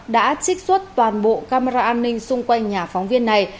đã trích xuất toàn bộ camera an ninh xung quanh nhà phóng viên này